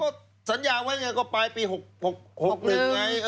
ก็สัญญาไว้ไงก็ปลายปี๖๑ไง